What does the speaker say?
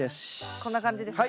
こんな感じですか？